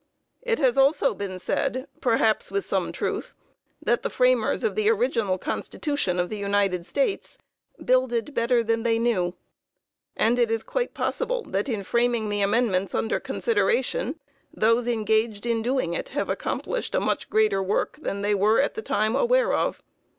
It has also been said, perhaps with some truth, that the framers of the original Constitution of the United States "builded better than they knew;" and it is quite possible that in framing the amendments under consideration, those engaged in doing it have accomplished a much greater work than they were at the time aware of.